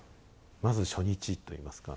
まず初日といいますか。